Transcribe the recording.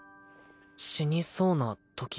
死にそうなとき